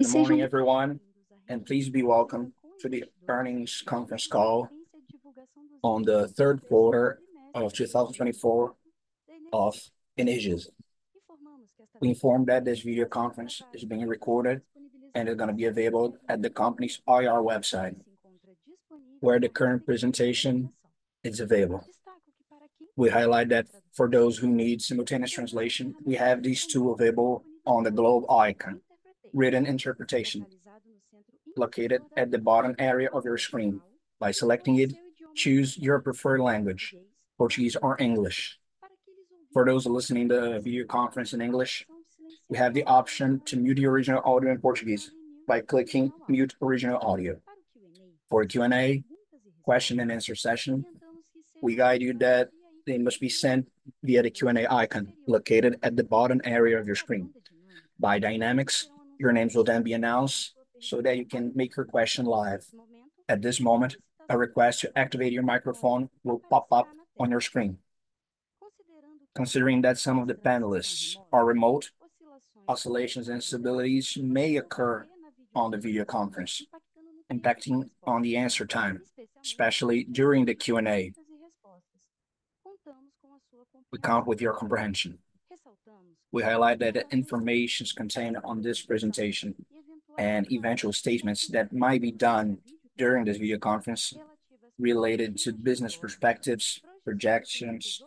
Good morning, everyone, and please be welcome to the earnings conference call on the third quarter of 2024 of Energisa. We inform that this video conference is being recorded and is going to be available at the company's IR website, where the current presentation is available. We highlight that for those who need simultaneous translation, we have these two available on the globe icon, written interpretation, located at the bottom area of your screen. By selecting it, choose your preferred language, Portuguese or English. For those listening to the video conference in English, we have the option to mute the original audio in Portuguese by clicking "Mute Original Audio." For a Q&A, question-and-answer session, we guide you that they must be sent via the Q&A icon located at the bottom area of your screen. By dynamics, your names will then be announced so that you can make your question live. At this moment, a request to activate your microphone will pop up on your screen. Considering that some of the panelists are remote, oscillations and instabilities may occur on the video conference, impacting the answer time, especially during the Q&A. We count with your comprehension. We highlight that the information contained on this presentation and eventual statements that might be done during this video conference related to business perspectives, projections,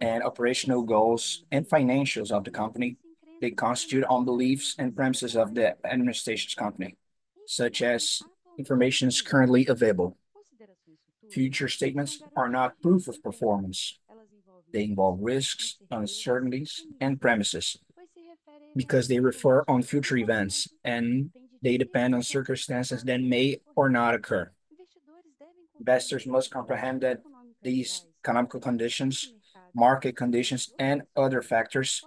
and operational goals and financials of the company. They constitute on beliefs and premises of the administration's company, such as information currently available. Future statements are not proof of performance. They involve risks, uncertainties, and premises because they refer on future events, and they depend on circumstances that may or may not occur. Investors must comprehend that these economic conditions, market conditions, and other factors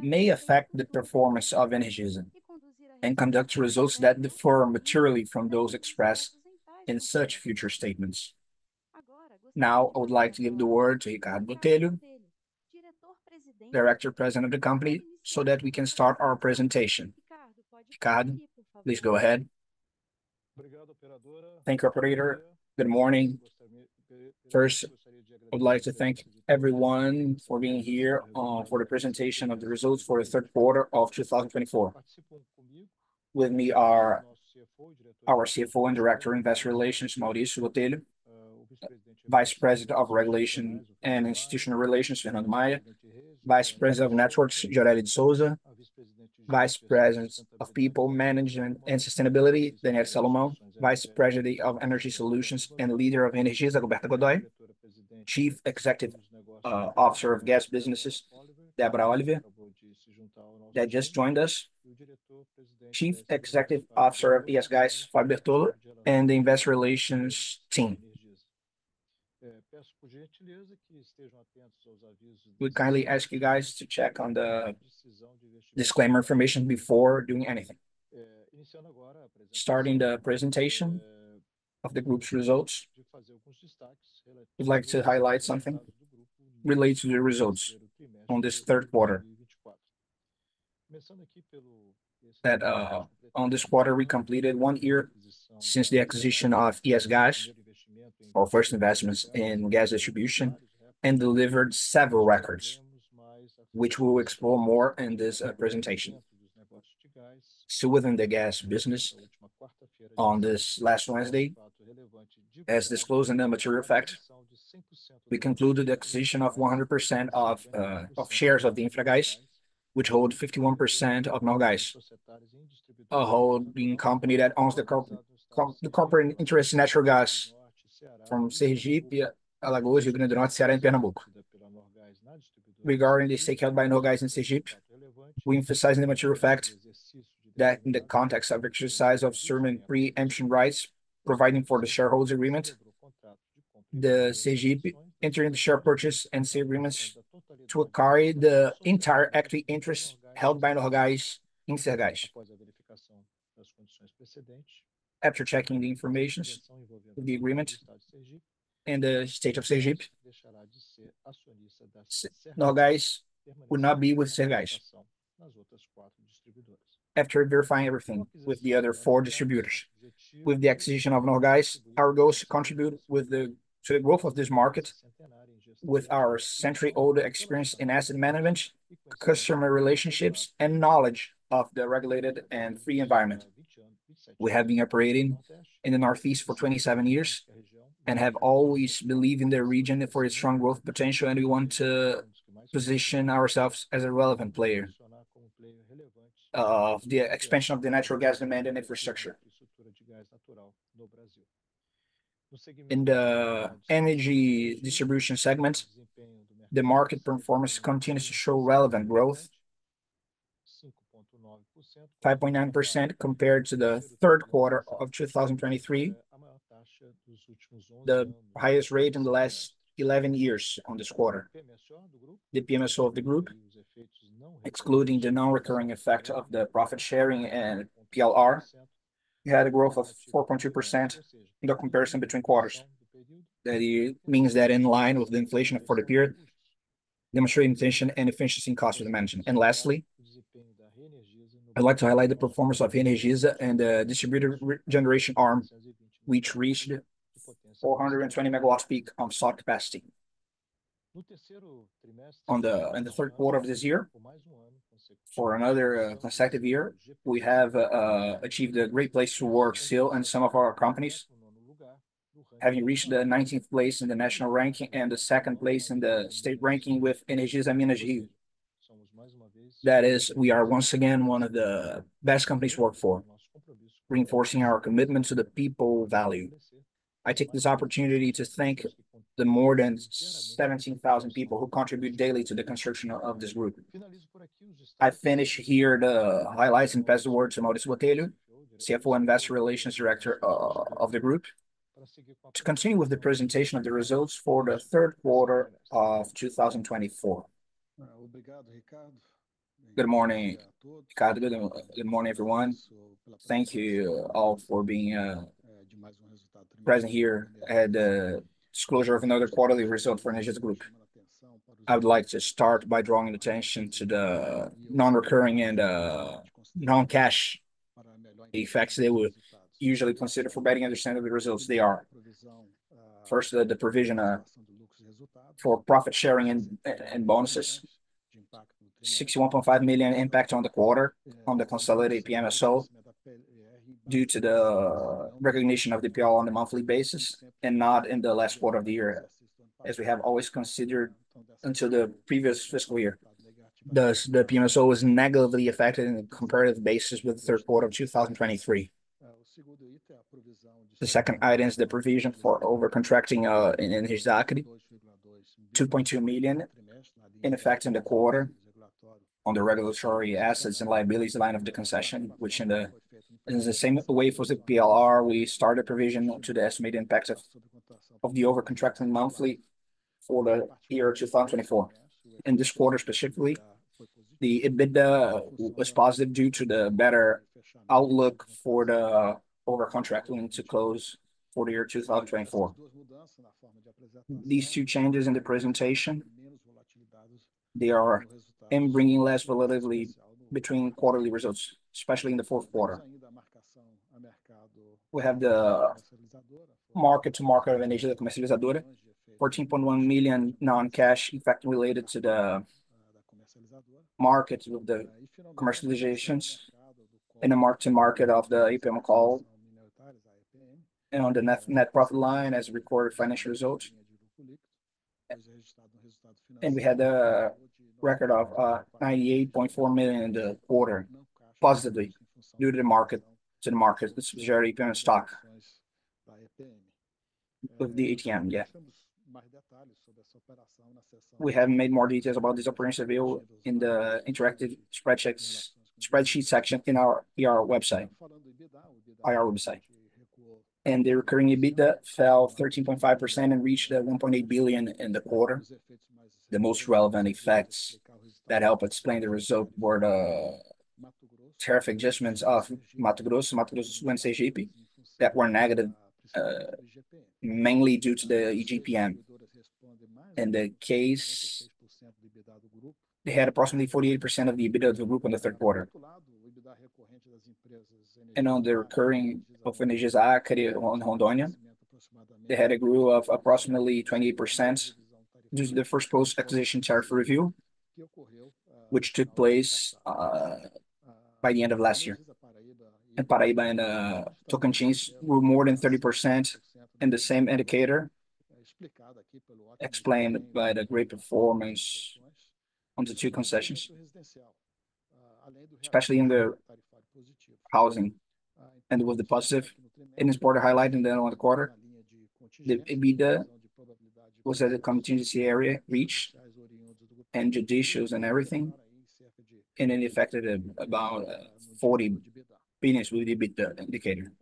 may affect the performance of Energisa and conduct results that differ materially from those expressed in such future statements. Now, I would like to give the word to Ricardo Botelho, Director President of the company, so that we can start our presentation. Ricardo, please go ahead. Thank you, Operator. Good morning. First, I would like to thank everyone for being here for the presentation of the results for the third quarter of 2024. With me are our CFO and Director of Investor Relations, Maurício Botelho, Vice President of Regulation and Institutional Relations, Fernando Maia, Vice President of Networks, Gioreli de Sousa, Vice President of People, Management and Sustainability, Daniele Salomão, Vice President of Energy Solutions and Leader of Energisa, Roberta Godoi, Chief Executive Officer of Gas Businesses, Débora Olivieri, that just joined us, Chief Executive Officer of ES Gás, Fábio Bertollo, and the Investor Relations team. We kindly ask you guys to check on the disclaimer information before doing anything. Starting the presentation of the group's results, we'd like to highlight something related to the results on this third quarter. In this quarter, we completed one year since the acquisition of ES Gás, our first investments in gas distribution, and delivered several records, which we will explore more in this presentation. Still within the gas business, on this last Wednesday, as disclosed in the material fact, we concluded the acquisition of 100% of shares of Infragás, which holds 51% of Norgás, a holding company that owns the corporate interest in natural gas from Sergipe, Alagoas, Rio Grande do Norte, Ceará and Pernambuco. Regarding the stake held by Norgás in Sergipe, we emphasize in the material fact that in the context of exercise of certain preemption rights providing for the shareholders' agreement, the State of Sergipe entering the share purchase and sale agreements to acquire the entire equity interest held by Norgás in Sergipe. After checking the information of the agreement and the state of Sergipe, Norgás would not be with Sergipe. After verifying everything with the other four distributors, with the acquisition of Norgás, our goal is to contribute to the growth of this market with our century-old experience in asset management, customer relationships, and knowledge of the regulated and free environment. We have been operating in the Northeast for 27 years and have always believed in the region for its strong growth potential, and we want to position ourselves as a relevant player of the expansion of the natural gas demand and infrastructure. In the energy distribution segment, the market performance continues to show relevant growth, 5.9% compared to the third quarter of 2023, the highest rate in the last 11 years on this quarter. The PMSO of the group, excluding the non-recurring effect of the profit sharing and PLR, had a growth of 4.2% in the comparison between quarters. That means that in line with the inflation for the period, demonstrating intention and efficiency in cost management, and lastly, I'd like to highlight the performance of Energisa and the distributed generation arm, which reached 420 MWp installed capacity. In the third quarter of this year, for another consecutive year, we have achieved a great place to work still in some of our companies, having reached the 19th place in the national ranking and the second place in the state ranking with Energisa Minas Rio. That is, we are once again one of the best companies to work for, reinforcing our commitment to the people value. I take this opportunity to thank the more than 17,000 people who contribute daily to the construction of this group. I finish here the highlights and pass the word to Maurício Botelho, CFO and Investor Relations Director of the group, to continue with the presentation of the results for the third quarter of 2024. Good morning. Good morning, everyone. Thank you all for being present here at the disclosure of another quarterly result for Energisa Group. I would like to start by drawing attention to the non-recurring and non-cash effects they would usually consider for better understanding the results they are. First, the provision for profit sharing and bonuses, 61.5 million impact on the quarter, on the consolidated PMSO, due to the recognition of the PLR on a monthly basis. And not in the last quarter of the year, as we have always considered until the previous fiscal year. The PMSO was negatively affected on a comparative basis with the third quarter of 2023. The second item is the provision for overcontracting in Energisa Acre, 2.2 million, in effect in the quarter. On the regulatory assets and liabilities line of the concession, which in the same way for the PLR, we started provision to the estimated impact of the overcontracting monthly for the year 2024. In this quarter specifically, the EBITDA was positive due to the better outlook for the overcontracting to close for the year 2024. These two changes in the presentation, they are bringing less volatility between quarterly results, especially in the fourth quarter. We have the market-to-market of Energisa Comercializadora, 14.1 million non-cash effect related to the market of the commercializations in the market-to-market of the EPM call and on the net profit line as recorded financial results, and we had a record of 98.4 million in the quarter, positively due to the market-to-market, the EPM stock of the MtM. We have made more details about this operation available in the interactive spreadsheet section in our website. The recurring EBITDA fell 13.5% and reached 1.8 billion in the quarter. The most relevant effects that help explain the result were the tariff adjustments of Mato Grosso and Mato Grosso do Sul and Sergipe, that were negative, mainly due to the IGPM. In the case, they had approximately 48% of the EBITDA of the group in the third quarter. On the recurring of Energisa Acre and Rondônia, they had a growth of approximately 28% due to the first post-acquisition tariff review, which took place by the end of last year. Paraíba and Tocantins grew more than 30% in the same indicator, explained by the great performance on the two concessions, especially in the housing. With the positives in this quarter, highlighting the quarter, the EBITDA was at the contingency area reached and judicial and everything, and it affected about 40 million with the EBITDA indicator.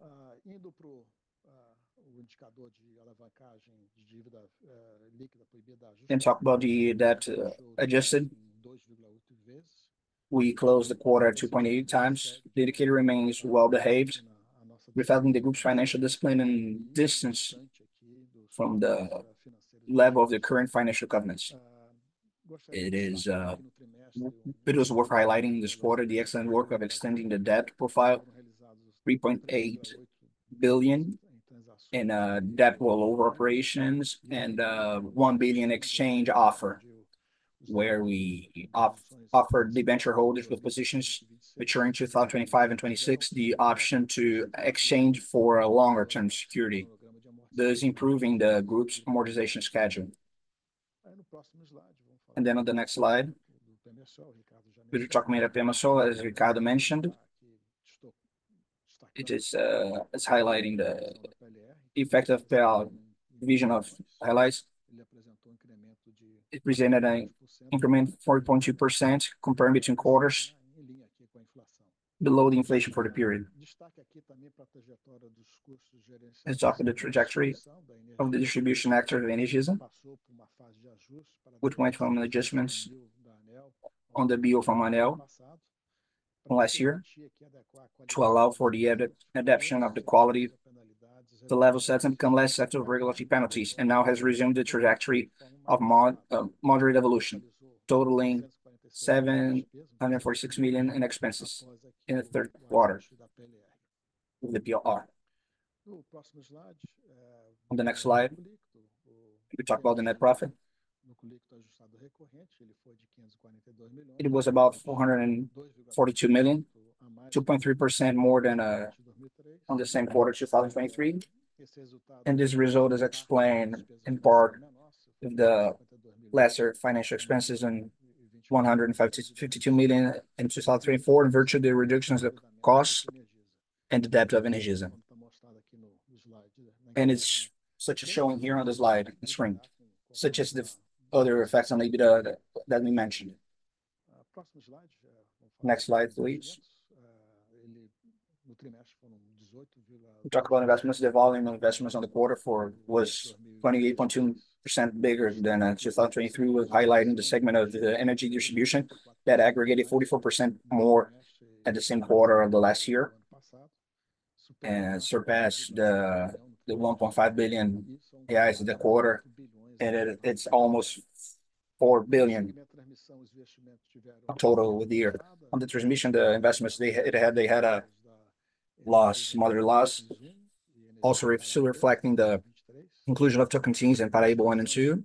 Talking about the adjusted debt, we closed the quarter at 2.8 times. The indicator remains well-behaved, reflecting the group's financial discipline and distance from the level of the current financial guidance. It is worth highlighting this quarter the excellent work of extending the debt profile, 3.8 billion in debt rollover operations and 1 billion exchange offer, where we offered the bondholders with positions maturing 2025 and 2026 the option to exchange for a longer-term security. Those improving the group's amortization schedule. Then on the next slide, we talked about PMSO, as Ricardo mentioned. It is highlighting the effect of inflation and highlights. It presented an increment of 4.2% compared between quarters, below the inflation for the period. And talking about the trajectory of the distribution sector of Energisa, which went from adjustments on the Base from ANEEL from last year to allow for the adaptation of the quality of the level sets and become less set of regulatory penalties, and now has resumed the trajectory of moderate evolution, totaling 746 million in expenses in the third quarter of the PRR. On the next slide, we talked about the net profit. It was about 442 million, 2.3% more than on the same quarter of 2023. And this result is explained in part in the lesser financial expenses and 152 million in 2024 in virtue of the reduction of the cost. And the debt of Energisa. And it's such a showing here on the slide. Including such as the other effects on EBITDA that we mentioned. Next slide, please. We talked about investments of volume. Investments on the quarter was 28.2% bigger than 2023, highlighting the segment of the energy distribution that aggregated 44% more at the same quarter of the last year and surpassed the 1.5 billion reais of the quarter, and it's almost 4 billion total of the year. On the transmission, the investments, they had a moderate loss, also reflecting the inclusion of Tocantins Transmissora in Paraíba 1 and 2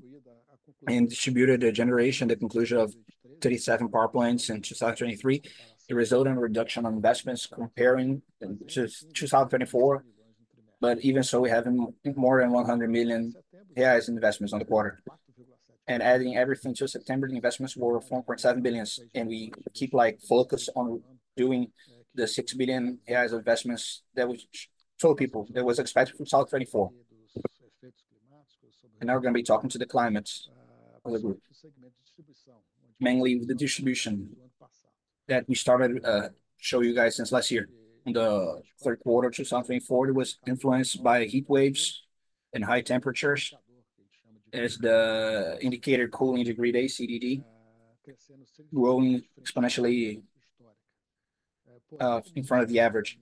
and distributed generation, the conclusion of 37 power plants in 2023, the resultant reduction of investments compared to 2024. But even so, we have more than 100 million reais investments on the quarter. Adding everything to September, the investments were 4.7 billion. We keep focus on doing the 6 billion reais investments that we told people that was expected from 2024. Now we're going to be talking about the highlights of the group, mainly with the distribution that we started to show you guys since last year. In the third quarter of 2024, it was influenced by heat waves and high temperatures, as the indicator cooling degree days CDD growing exponentially in front of the average.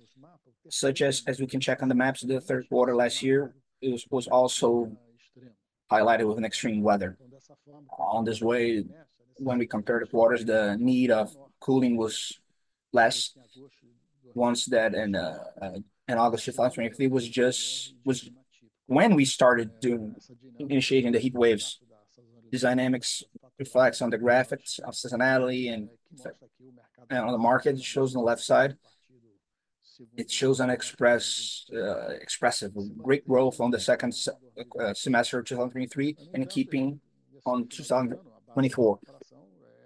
As such, as we can check on the maps, the third quarter last year was also highlighted with an extreme weather. In this way, when we compared the quarters, the need of cooling was less. Once that in August 2023 was just when we started initiating the heat waves, these dynamics reflects on the graphics of seasonality and on the market, it shows on the left side. It shows an expressive great growth on the second semester of 2023 and keeping on 2024.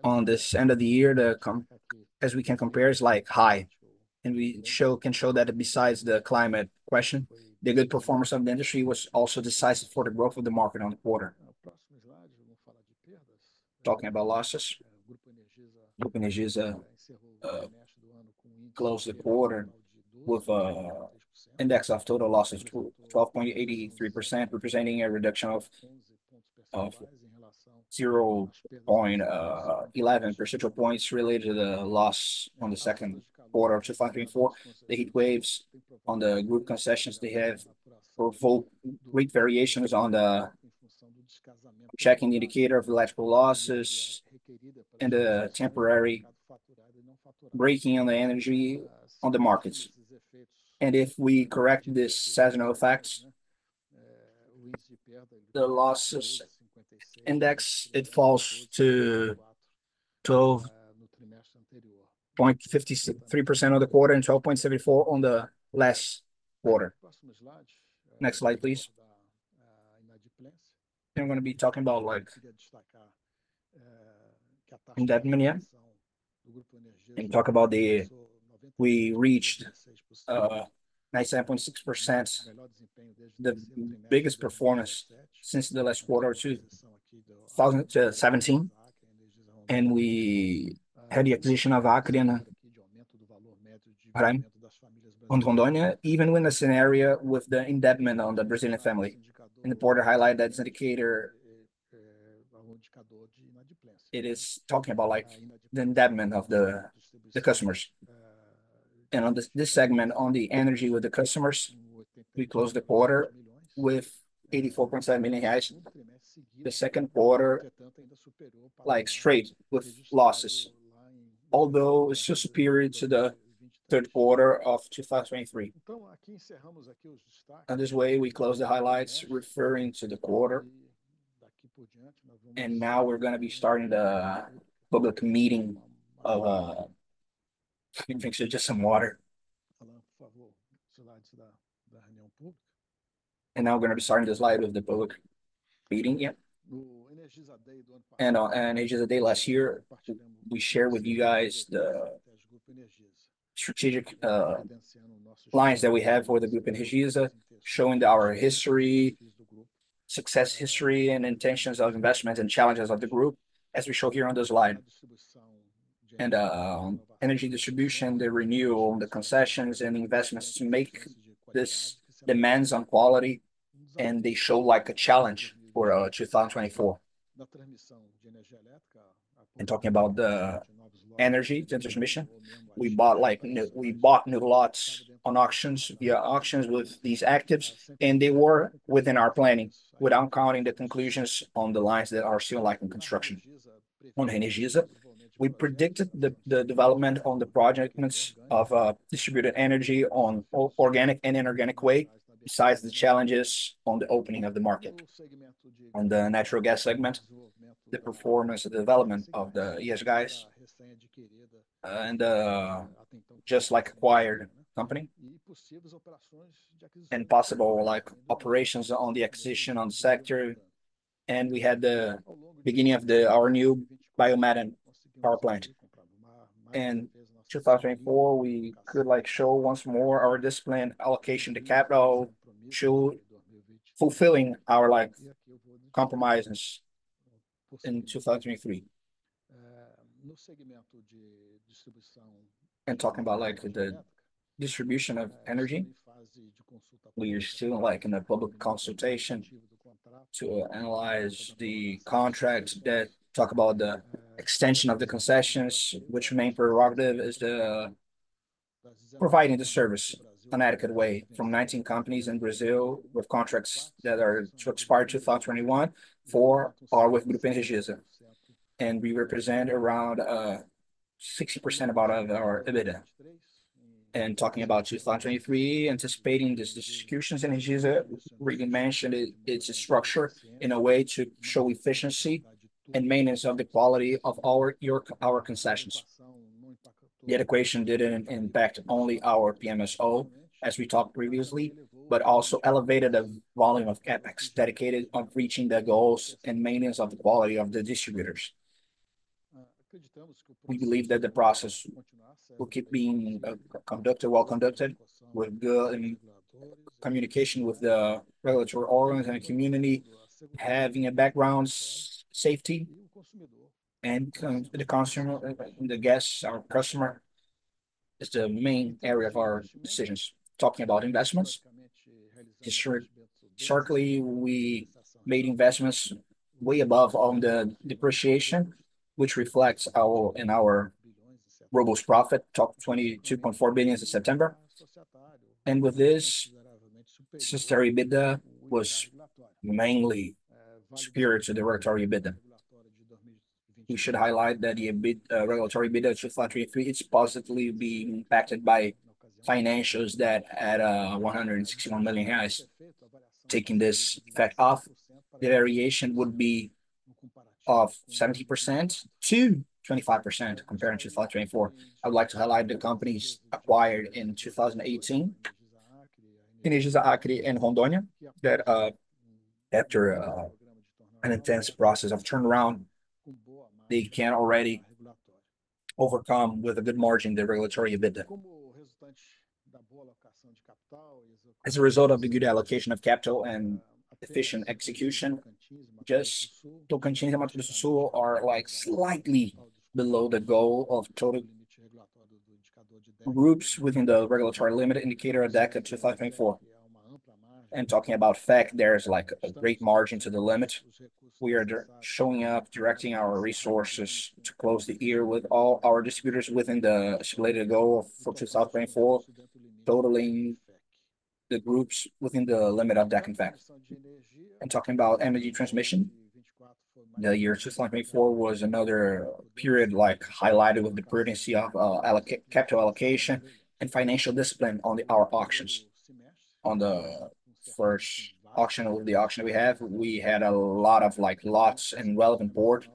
On this end of the year, the. As we can compare, it's like high. And we can show that besides the climate question, the good performance of the industry was also decisive for the growth of the market on the quarter. Talking about losses, Group Energisa closed the quarter with an index of total loss of 12.83%, representing a reduction of 0.11 percentage points related to the loss on the second quarter of 2024. The heat waves on the group concessions, they have provoked great variations on the checking indicator of electrical losses and the temporary breaking on the energy on the markets. And if we correct this seasonal effect, the losses index, it falls to 12.53% on the quarter and 12.74% on the last quarter. Next slide, please. I'm going to be talking about debt management and talk about the. We reached 97.6%, the biggest performance since the last quarter or two, 2017. And we had the acquisition of Acre and Rondônia, even when the scenario with the indebtedness of the Brazilian family. In the quarter, highlight that indicator, it is talking about the indebtedness of the customers. And on this segment, on the energy with the customers, we closed the quarter with 84.7 million reais. The second quarter, likewise with losses, although it's still superior to the third quarter of 2023. In this way, we close the highlights referring to the quarter. And now we're going to be starting the slide of the public meeting. On Energisa Day last year, we shared with you guys the strategic lines that we have for the group Energisa, showing our history, success history, and intentions of investments and challenges of the group, as we show here on the slide. On energy distribution, the renewal, the concessions, and investments to make this demands on quality, and they show like a challenge for 2024. Talking about the energy transmission, we bought new lots on auctions via auctions with these assets, and they were within our planning, without counting the concessions on the lines that are still in construction. On Energisa, we predicted the development on the projects of distributed energy on an organic and inorganic way, besides the challenges on the opening of the market. On the natural gas segment, the performance of the development of the ES Gás and Infragás, and just the acquired company and possible operations on the acquisition on the sector. We had the beginning of our new biomethane power plant. In 2024, we could show once more our disciplined allocation to capital, showing fulfilling our commitments in 2023. Talking about the distribution of energy, we are still in a public consultation to analyze the contract that talks about the extension of the concessions, whose main prerogative is providing the service in an adequate way for 19 companies in Brazil with contracts that are to expire 2021 for or with Group Energisa. We represent around 60% of our EBITDA. Talking about 2023, anticipating these discussions, Energisa recommends that it’s structured in a way to show efficiency and maintenance of the quality of our concessions. The equation didn't impact only our PMSO, as we talked previously, but also elevated the volume of CapEx dedicated on reaching the goals and maintenance of the quality of the distributors. We believe that the process will keep being conducted, well conducted, with good communication with the regulatory organs and community, having a background safety. And the consumer, the guest, our customer, is the main area of our decisions. Talking about investments, historically, we made investments way above on the depreciation, which reflects in our robust profit, total 22.4 billion BRL in September. And with this, the system EBITDA was mainly superior to the regulatory EBITDA. We should highlight that the regulatory EBITDA in 2023 is positively being impacted by financials that had 161 million reais. Taking this fact off, the variation would be of 70% to 25% compared to 2024. I would like to highlight the companies acquired in 2018, Energisa Acre and Energisa Rondônia, that after an intense process of turnaround, they can already overcome with a good margin the regulatory EBITDA. As a result of the good allocation of capital and efficient execution, just two teams are slightly below the goal of groups within the regulatory limit indicator of 2024. Talking about that, there's a great margin to the limit. We are showing up, directing our resources to close the year with all our distributors within the scheduled goal for 2024, totaling the groups within the limit of DEC and FEC. Talking about energy transmission, the year 2024 was another period highlighted with the prudence of capital allocation and financial discipline on our auctions. On the first auction, the auction that we had, we had a lot of lots and relevant bids.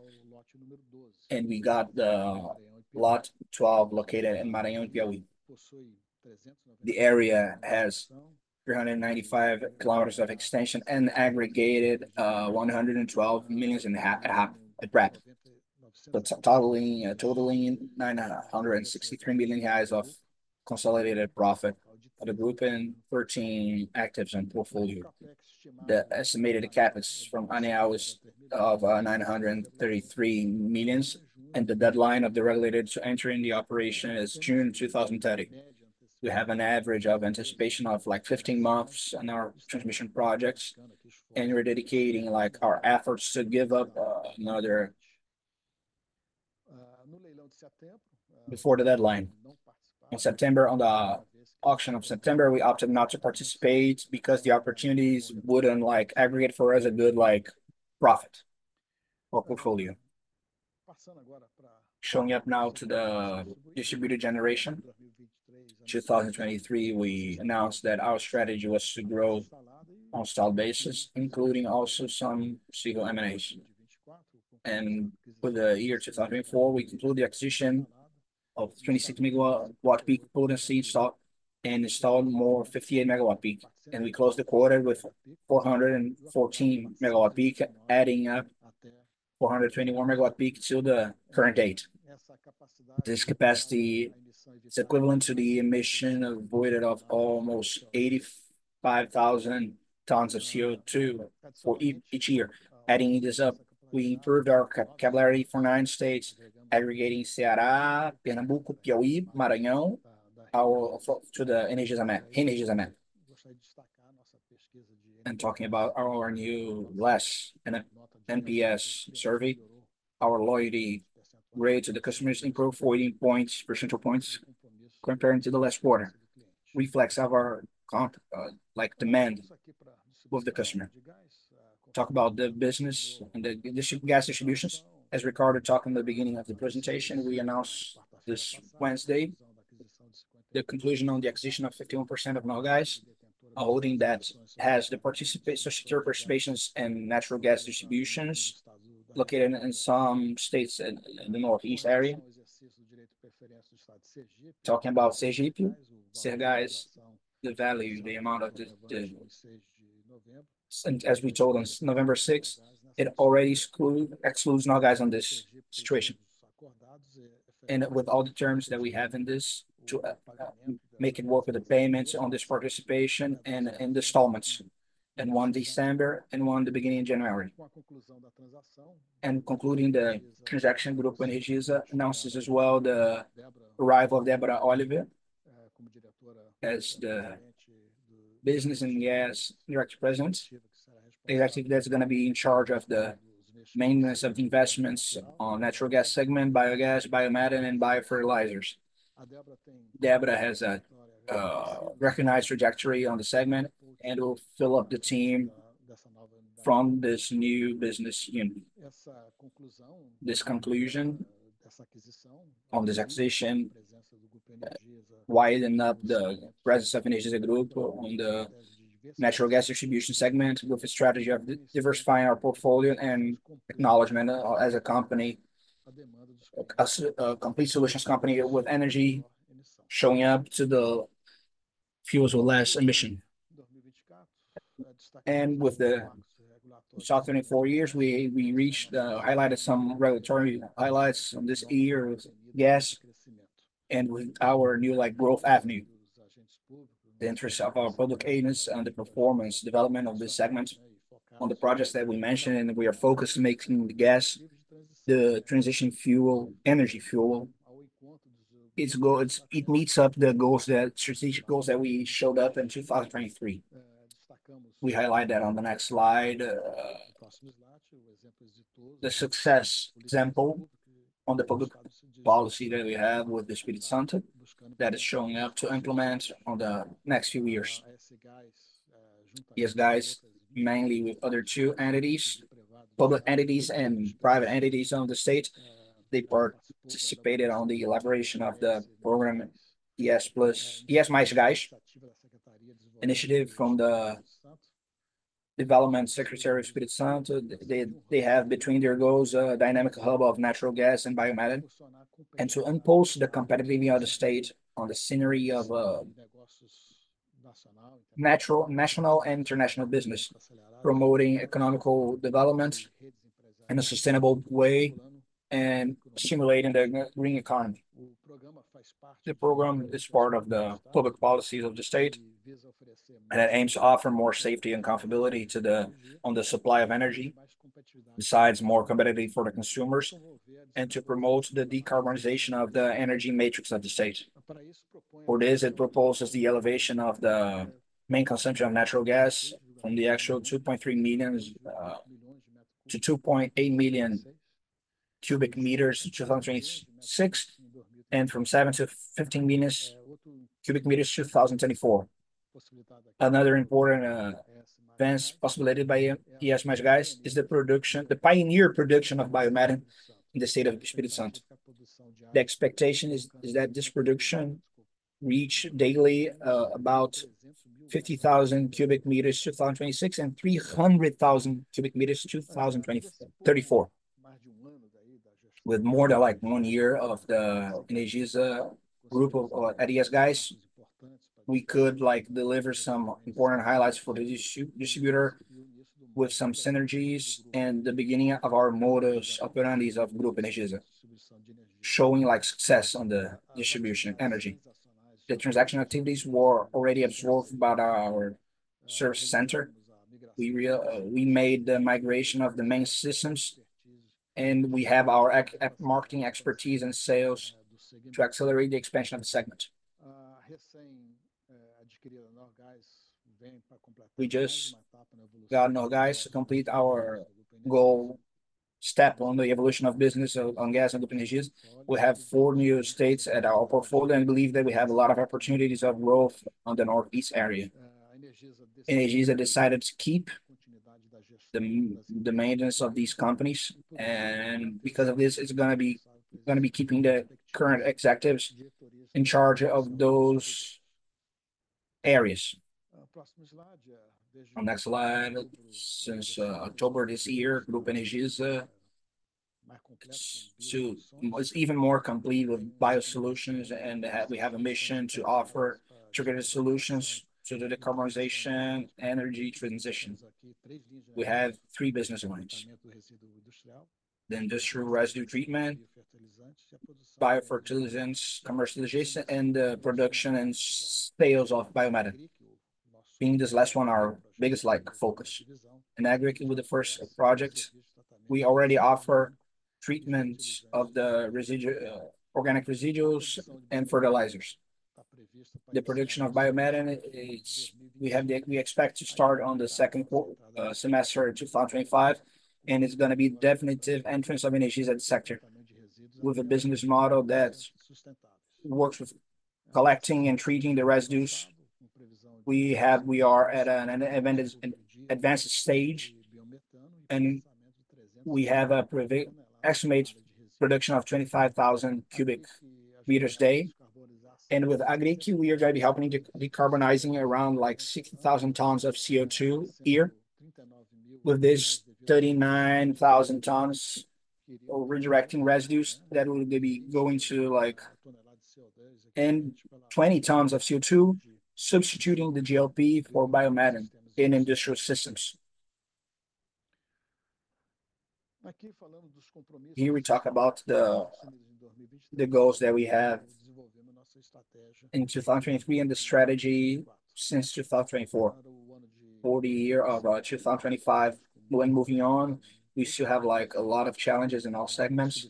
We got the lot 12 located in Maranhão and Piauí. The area has 395 km of extension and aggregated 112.5 million at capex. Totaling 963 million of consolidated RAP for the group and 13 assets in portfolio. The estimated capex from ANEEL was 933 million. The deadline of the regulated to enter in the operation is June 2030. We have an average of anticipation of like 15 months on our transmission projects. We're dedicating our efforts to give up before the deadline. In September, on the auction of September, we opted not to participate because the opportunities wouldn't aggregate for us a good profit or portfolio. Moving now to the distributed generation. In 2023, we announced that our strategy was to grow on a scaled basis, including also some single M&As. For the year 2024, we concluded the acquisition of 26 MW peak and installed more 58 MWp. We closed the quarter with 414 MW peak, adding up 421 MWp to the current date. This capacity is equivalent to the emission avoided of almost 85,000 tons of CO2 each year. Adding this up, we improved our capability for nine states, aggregating Ceará, Pernambuco, Piauí, Maranhão to our Energisa map. Talking about our newest NPS survey, our loyalty rate to the customers improved 14 percentage points compared to the last quarter. This reflects our demand with the customer. Talking about the business and the gas distributions, as Ricardo talked in the beginning of the presentation, we announced this Wednesday the conclusion on the acquisition of 51% of Norgás, a holding that has the social participations and natural gas distributions located in some states in the Northeast area. Talking about Cegás, Sergas, the value, the amount of the, as we told on November 6, it already excludes Norgás on this situation, and with all the terms that we have in this to make it work with the payments on this participation and the installments, and one December and one the beginning of January, and concluding the transaction, Group Energisa announces as well the arrival of Débora Olivieri, as the Business and Gas Director President. That's going to be in charge of the maintenance of investments on natural gas segment, biogas, biomethane, and biofertilizers. Débora has a recognized trajectory on the segment and will fill up the team from this new business unit. This conclusion on this acquisition, widening up the presence of Energisa Group on the natural gas distribution segment with a strategy of diversifying our portfolio and acknowledgment as a company, a complete solutions company with energy showing up to the fuels with less emission. And with the 2024 years, we highlighted some regulatory highlights on this year with gas and with our new growth avenue. The interest of our public agents and the performance development of this segment on the projects that we mentioned, and we are focused on making the gas, the transition fuel, energy fuel, its goals, it meets up the goals, the strategic goals that we showed up in 2023. We highlight that on the next slide, the success. Example on the public policy that we have with the Espírito Santo that is showing up to implement on the next few years. ES Gás, mainly with other two entities, public entities and private entities of the state. They participated on the elaboration of the program, ES+, ES Mais initiative from the development secretary of Espírito Santo. They have between their goals, a dynamic hub of natural gas and biomethane, and to impel the competitiveness of the state on the scenario of national and international business, promoting economic development in a sustainable way and stimulating the green economy. The program is part of the public policies of the state, and it aims to offer more safety and comfortability on the supply of energy, besides more competitive for the consumers, and to promote the decarbonization of the energy matrix of the state. For this, it proposes the elevation of the main consumption of natural gas from the actual 2.3 million to 2.8 million cubic meters in 2026, and from 7 to 15 million cubic meters in 2024. Another important advance possibility by ES+ is the production, the pioneer production of biomethane in the state of Espírito Santo. The expectation is that this production reaches daily about 50,000 cubic meters in 2026 and 300,000 cubic meters in 2034. With more than like one year of the Energisa group of ES+, we could deliver some important highlights for the distributor with some synergies and the beginning of our modus operandi of Group Energisa, showing success on the distribution of energy. The transaction activities were already absorbed by our service center. We made the migration of the main systems, and we have our marketing expertise and sales to accelerate the expansion of the segment. We just got Norgás to complete our goal step on the evolution of business on gas and group energies. We have four new states at our portfolio and believe that we have a lot of opportunities of growth on the Northeast area. Energisa decided to keep the management of these companies, and because of this, it's going to be keeping the current executives in charge of those areas. On next slide, since October this year, Group Energisa is even more complete with biosolutions, and we have a mission to offer targeted solutions to the decarbonization energy transition. We have three business lines: the industrial residue treatment, biofertilizers, commercialization, and the production and sales of biomethane. Being this last one our biggest focus. In aggregate with the first project, we already offer treatments of the organic residues and fertilizers. The production of biomethane is, we expect, to start on the second semester of 2025, and it's going to be definitive entrance of Energisa in the sector. With a business model that works with collecting and treating the residues, we are at an advanced stage, and we have an estimated production of 25,000 cubic meters a day. And with aggregate, we are going to be helping to decarbonize around 60,000 tons of CO2 a year. With this, 39,000 tons of redirecting residues that will be going to 20 tons of CO2, substituting the GLP for biomethane in industrial systems. Here we talk about the goals that we have in 2023 and the strategy since 2024. 40% of 2025. When moving on, we still have a lot of challenges in all segments.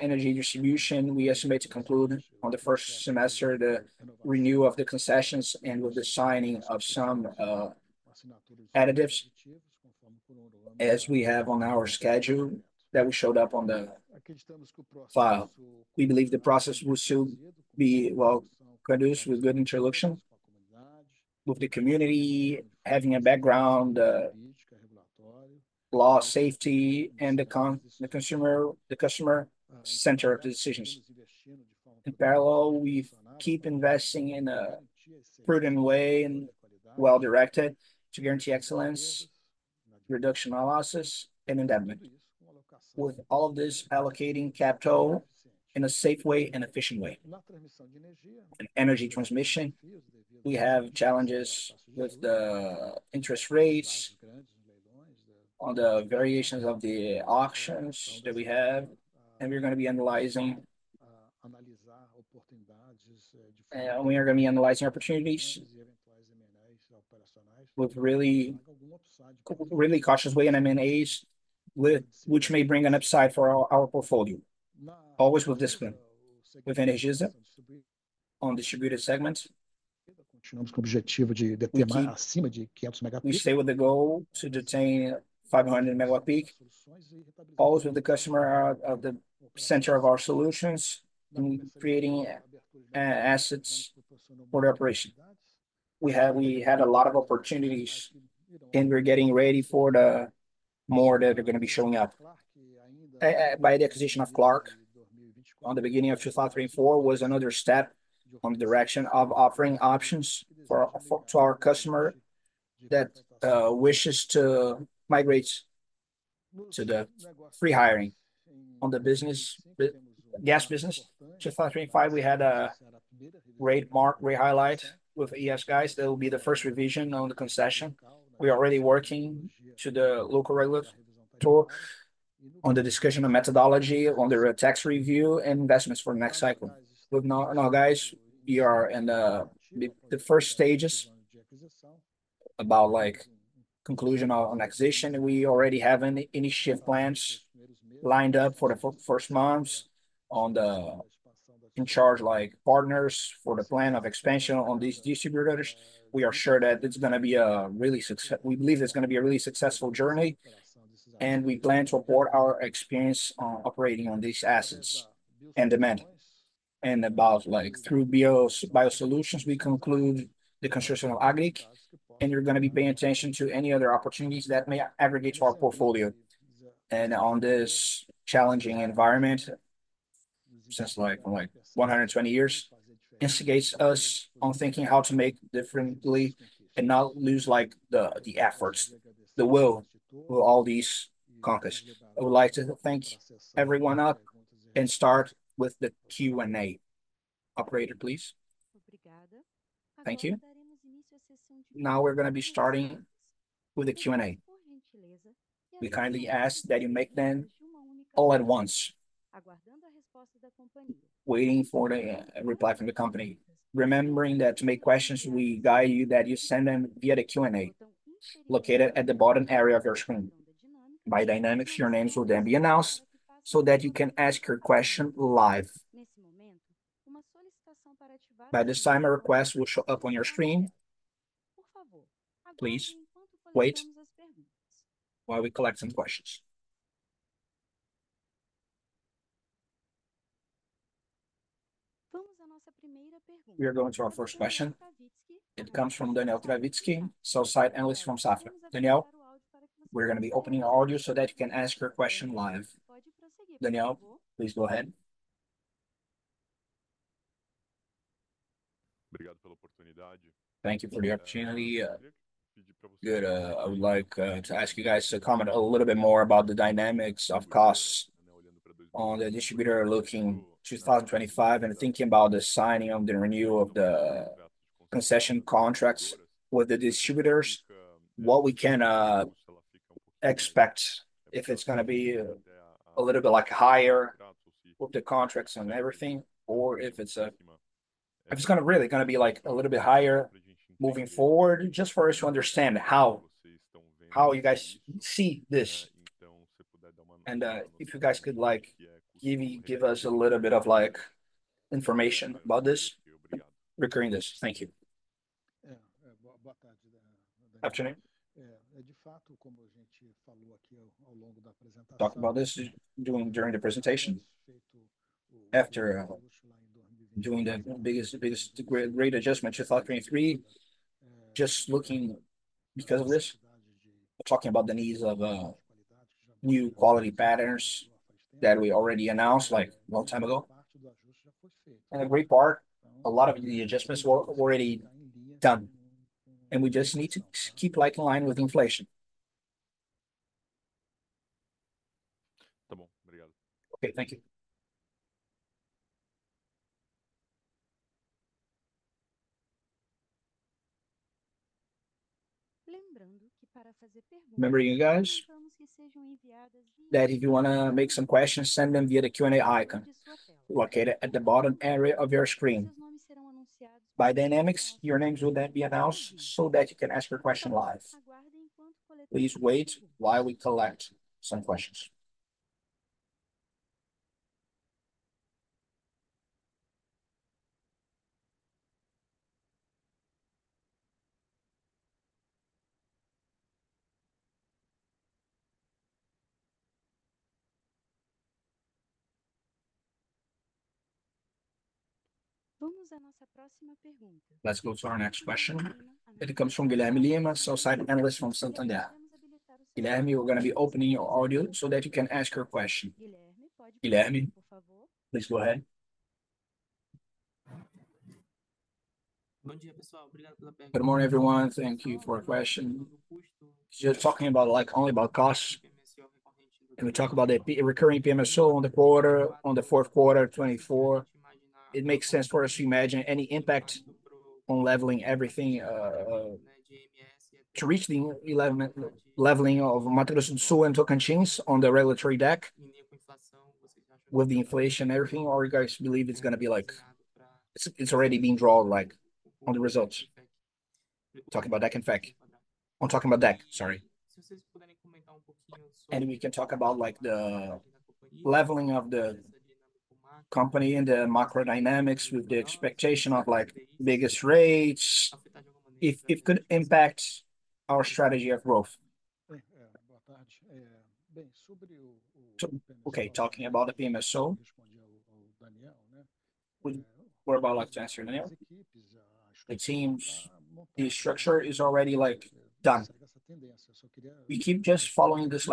Energy distribution, we estimate to conclude on the first semester, the renewal of the concessions and with the signing of some additives, as we have on our schedule that we showed up on the file. We believe the process will soon be well conducted with good interlocution with the community, having a background, law, safety, and the consumer center of the decisions. In parallel, we keep investing in a prudent way and well directed to guarantee excellence, reduction of losses, and endowment. With all of this, allocating capital in a safe way and efficient way. In energy transmission, we have challenges with the interest rates on the variations of the auctions that we have, and we're going to be analyzing opportunities with really cautious way in M&As, which may bring an upside for our portfolio. Always with discipline. With Energisa, on distributed segments, we stay with the goal to attain 500 MWp, always with the customer at the center of our solutions and creating assets for the operation. We had a lot of opportunities, and we're getting ready for the more that are going to be showing up. By the acquisition of Clarke at the beginning of 2024 was another step in the direction of offering options to our customer that wishes to migrate to the free market in the gas business. In 2025, we had a great milestone, great highlight with Infragás. That will be the first revision of the concession. We are already working with the local regulator on the discussion of methodology, on the tariff review, and investments for the next cycle. With Norgás, we are in the first stages about conclusion of the acquisition. We already have any shift plans lined up for the first months on the incoming partners for the plan of expansion on these distributors. We are sure that it's going to be a really successful journey, and we plan to support our experience on operating on these assets and demand. And about through BioSolutions, we conclude the construction of AgriQ, and we're going to be paying attention to any other opportunities that may aggregate to our portfolio. And on this challenging environment, since like 120 years, instigates us on thinking how to make differently and not lose the efforts, the will, all these conquests. I would like to thank everyone and start with the Q&A. Operator, please. Thank you. Now we're going to be starting with the Q&A. We kindly ask that you make them all at once, waiting for the reply from the company. Remembering that to make questions, we guide you that you send them via the Q&A located at the bottom area of your screen. By dynamics, your names will then be announced so that you can ask your question live. Nesse momento, uma solicitação para ativar will show up on your screen. Please wait while we collect some questions. Vamos à nossa primeira pergunta. We are going to our first question. It comes from Daniel Travitzky, Sell-side Analyst from Safra. Daniel, we're going to be opening our audio so that you can ask your question live. Daniel, please go ahead. Thank you for the opportunity. I would like to ask you guys to comment a little bit more about the dynamics of costs on the distributor looking 2025 and thinking about the signing of the renewal of the concession contracts with the distributors, what we can expect if it's going to be a little bit higher with the contracts and everything, or if it's going to really be a little bit higher moving forward. Just for us to understand how you guys see this, and if you guys could give us a little bit of information about this, regarding this. Thank you. Afternoon. De fato, como a gente falou aqui ao longo da apresentação, after during the biggest great adjustment in 2023. Just looking because of this, talking about the needs of new quality patterns that we already announced a long time ago. A great part, a lot of the adjustments were already done, and we just need to keep in line with inflation. Okay, thank you. Lembrando que para fazer perguntas, that if you want to make some questions, send them via the Q&A icon located at the bottom area of your screen. By dynamics, your names will then be announced so that you can ask your question live. Please wait while we collect some questions. Vamos à nossa próxima pergunta. Let's go to our next question. It comes from Guilherme Lima, Santander Analyst from Santander. Guilherme, we're going to be opening your audio so that you can ask your question. Guilherme, please go ahead. Bom dia, pessoal. Good morning, everyone. Thank you for your question. Just talking about only about costs. Can we talk about the recurring PMSO on the fourth quarter of 2024? It makes sense for us to imagine any impact on leveling everything to reach the leveling of Mato Grosso do Sul and Tocantins on the regulatory debt with the inflation and everything. In all regards, we believe it's going to be like, it's already being drawn on the results. Talking about debt and fact. I'm talking about debt, sorry. And we can talk about the leveling of the company and the macro dynamics with the expectation of biggest rates, if it could impact our strategy of growth. Okay, talking about the PMSO, we're about to answer Daniel. The teams, the structure is already done. We keep just following this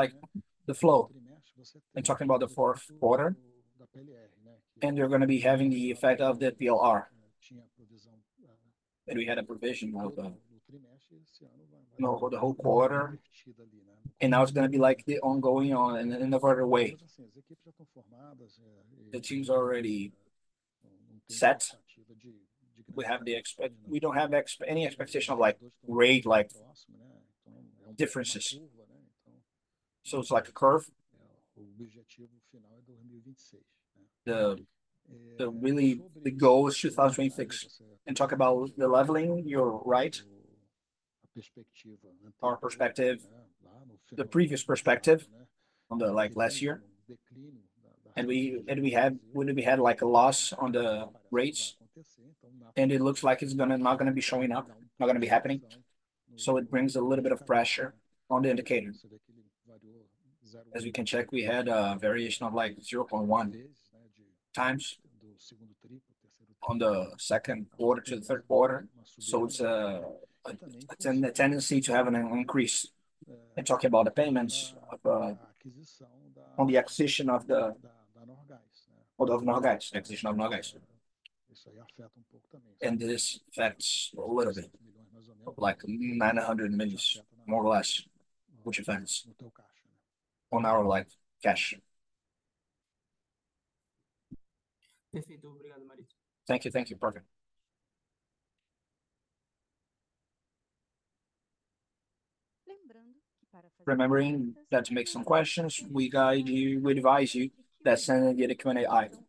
flow and talking about the fourth quarter, and they're going to be having the effect of the PLR. And we had a provision of the whole quarter, and now it's going to be ongoing in a further way. The team's already set. We have the expectation. We don't have any expectation of rate differences. So it's like a curve. The goal is 2026. Talking about the leveling, you're right, our perspective, the previous perspective on the last year. We have a loss on the rates, and it looks like it's not going to be showing up, not going to be happening. So it brings a little bit of pressure on the indicator. As we can check, we had a variation of 0.1 times on the second quarter to the third quarter. So it's a tendency to have an increase. Talking about the payments on the acquisition of the Norgás, the acquisition of Norgás. And this affects a little bit, like 900 million, more or less, which affects on our cash. Perfeito, obrigado, Maria. Thank you, thank you, perfect. Lembrando that to make some questions, we advise you that send them via the Q&A icon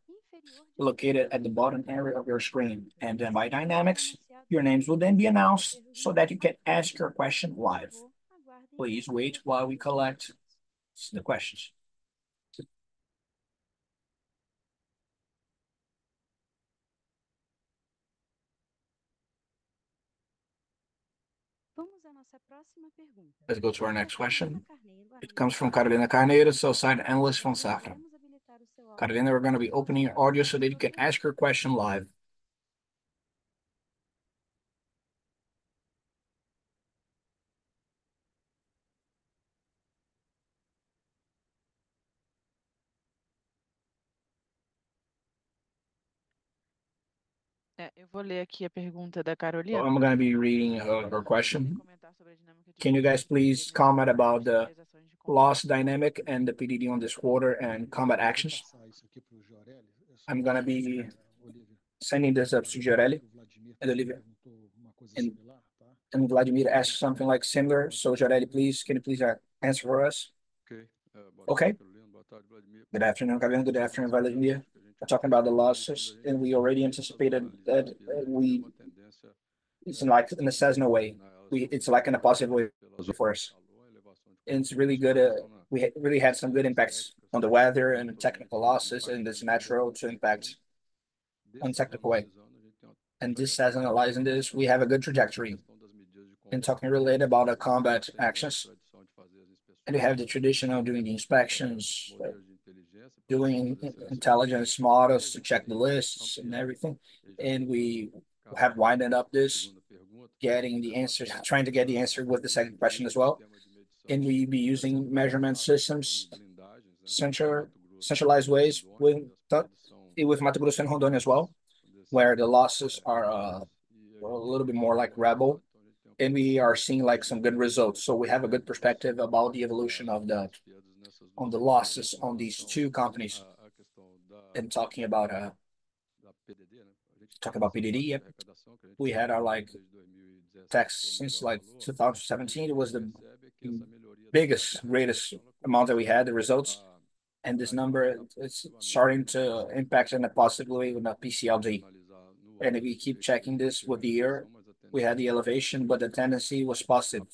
located at the bottom area of your screen. And then by dynamics, your names will then be announced so that you can ask your question live. Please wait while we collect the questions. Vamos à nossa próxima pergunta. Let's go to our next question. It comes from Carolina Carneiro, Safra analyst from Banco Safra. Carolina, we're going to be opening your audio so that you can ask your question live. Eu vou ler aqui a pergunta da Carolina. I'm going to be reading her question. Can you guys please comment about the loss dynamic and the PDD on this quarter and combat actions? I'm going to be sending this up to Gioreli. And Vladimir asked something similar. So Gioreli, please, can you please answer for us? Okay. Good afternoon, Gabriel. Good afternoon, Vladimir. Talking about the losses, we already anticipated that it's in a seasonal way. It's in a positive way for us, and it's really good. We really had some good impacts on the weather and technical losses, and it's natural to impact on technical way. This shows analyzing this, we have a good trajectory. Talking related about our combat actions, we have the traditional doing the inspections, doing intelligence models to check the lists and everything. We have wound up this, getting the answers, trying to get the answer with the second question as well. We'll be using measurement systems, centralized ways with Mato Grosso and Rondônia as well, where the losses are a little bit more like rebel. We are seeing some good results. We have a good perspective about the evolution of the losses on these two companies. Talking about PDD, we had our PDD since 2017. It was the biggest, greatest amount that we had, the results. This number is starting to impact in a positive way with PCLD. If we keep checking this with the year, we had the elevation, but the tendency was positive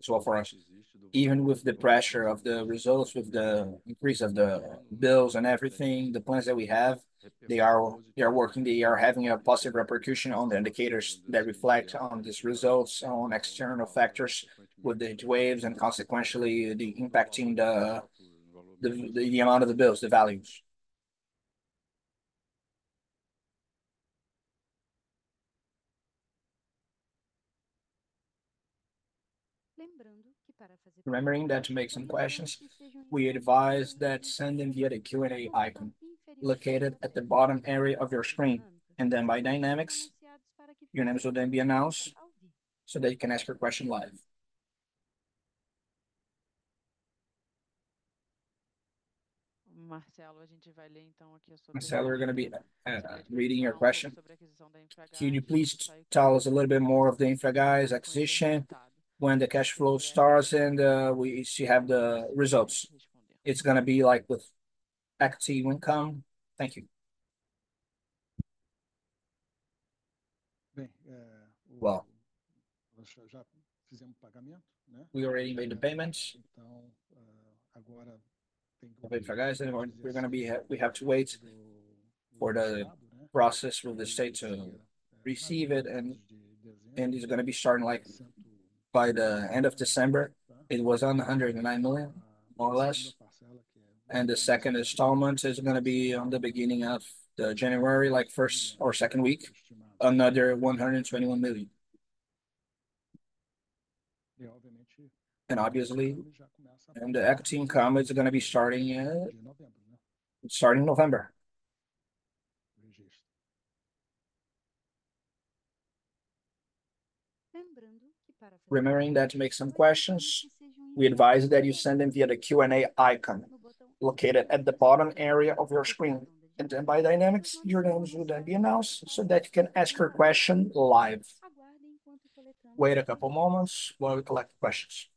as well for us. Even with the pressure of the results, with the increase of the bills and everything, the plans that we have, they are working. They are having a positive repercussion on the indicators that reflect on these results, on external factors with the waves and consequently the impacting the amount of the bills, the values. Lembrando that to make some questions, we advise that send them via the Q&A icon located at the bottom area of your screen. And then by dynamics, your names will then be announced so that you can ask your question live. Marcelo, we're going to be reading your question. Can you please tell us a little bit more of the InfraGás's acquisition when the cash flow starts and we have the results? It's going to be with equity when it comes. Thank you. We already made the payments. We have to wait for the process with the state to receive it, and it's going to be starting by the end of December. It was 109 million, more or less. The second installment is going to be on the beginning of January, like first or second week, another 121 million. Obviously, when the equity income is going to be starting in November. Remember that to make some questions, we advise that you send them via the Q&A icon located at the bottom area of your screen. And then by dynamics, your names will then be announced so that you can ask your question live. Wait a couple of moments while we collect questions.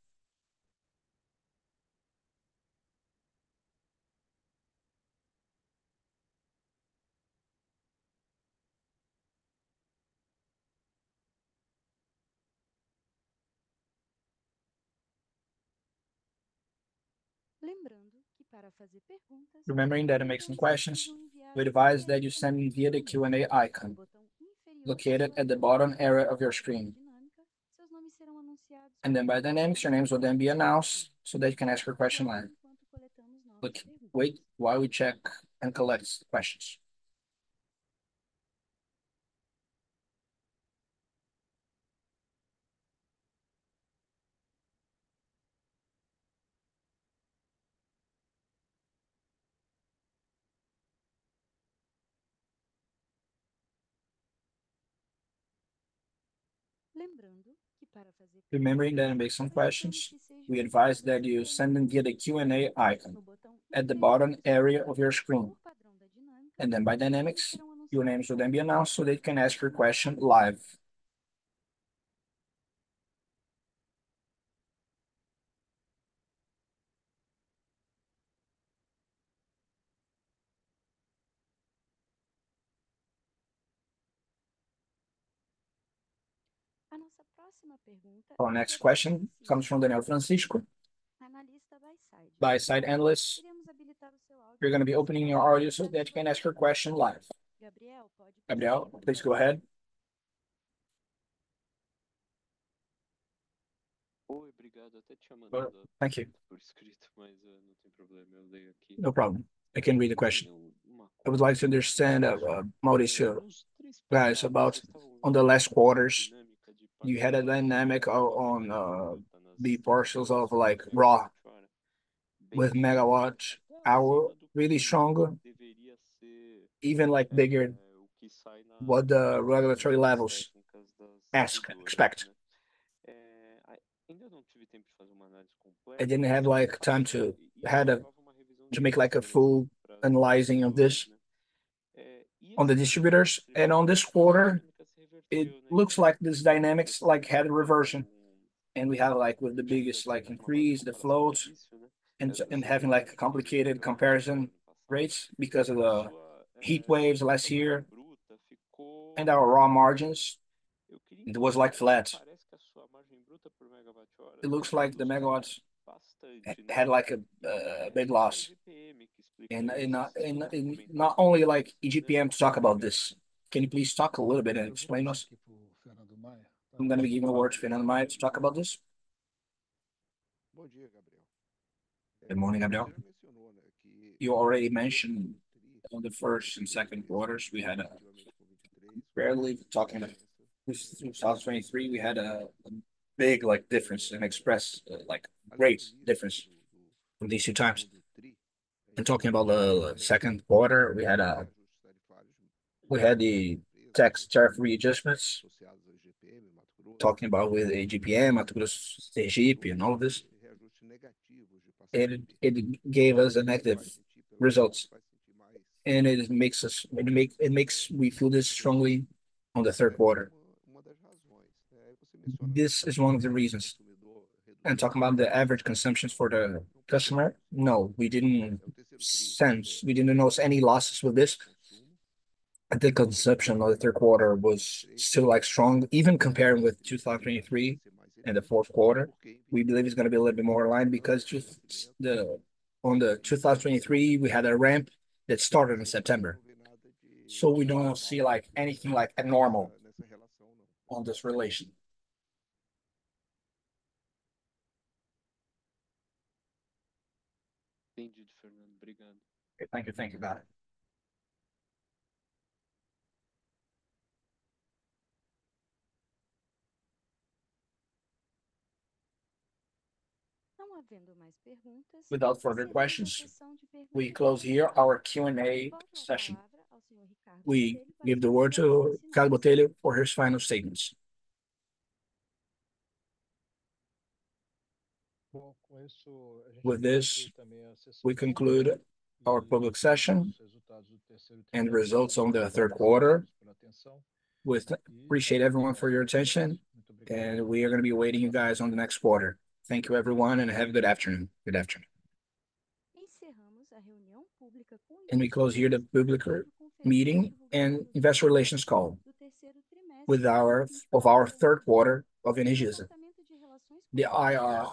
Our next question comes from Gabriel Francisco, Buy-side Analyst. We're going to be opening your audio so that you can ask your question live. Gabriel, please go ahead. Oi, obrigado por te chamar. Thank you. Por escrito, mas não tem problema, eu leio aqui. No problem. I can read the question. I would like to understand, Maurício, guys, about on the last quarters, you had a dynamic on the Parcel A with MWh. Really strong, even bigger what the regulatory levels expect. I didn't have time to make a full analyzing of this on the distributors. On this quarter, it looks like this dynamics had a reversion. We have the biggest increase, the floats, and having a complicated comparison rates because of the heat waves last year. Our gross margins, it was flat. It looks like the megawatts had a big loss. Not only IGPM to talk about this. Can you please talk a little bit and explain to us? I'm going to be giving the word to Fernando Maia to talk about this. Good morning, Gabriel. You already mentioned on the first and second quarters, we had a fairly talking about 2023, we had a big difference and express great difference from these two times. Talking about the second quarter, we had the tax tariff readjustments talking about with IGPM, Mato Grosso do Sul, and all of this. It gave us negative results. It makes us, it makes we feel this strongly on the third quarter. This is one of the reasons. Talking about the average consumption for the customer, no, we didn't sense, we didn't notice any losses with this. The consumption on the third quarter was still strong, even comparing with 2023 and the fourth quarter. We believe it's going to be a little bit more aligned because in 2023, we had a ramp that started in September. So we don't see anything abnormal in this relation. Thank you, thank you for that. Without further questions, we close here our Q&A session. We give the word to Ricardo Botelho for his final statements. With this, we conclude our public session and results for the third quarter. We appreciate everyone for your attention, and we are going to be waiting for you guys for the next quarter. Thank you, everyone, and have a good afternoon. Good afternoon, and we close here the public meeting and investor relations call with our third quarter of Energisa. The IR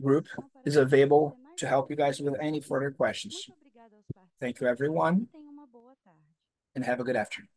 group is available to help you guys with any further questions. Thank you, everyone, and have a good afternoon.